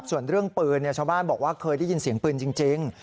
ส่วนเรื่องปืนชาวบ้านบอกว่าเคยได้ยินเสียงปืนจริง